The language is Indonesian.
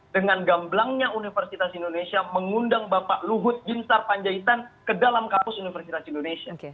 dengan gamblangnya universitas indonesia mengundang bapak luhut jinsar panjaitan ke dalam kapus universitas